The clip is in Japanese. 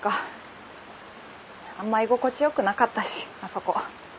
あんま居心地よくなかったしあそこ。